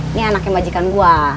ini anak yang bajikan gue